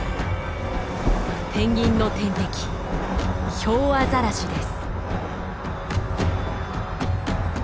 ペンギンの天敵ヒョウアザラシです。